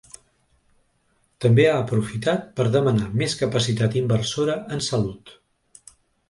També ha aprofitat per demanar més capacitat inversora en salut.